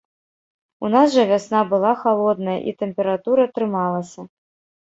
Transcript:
У нас жа вясна была халодная, і тэмпература трымалася.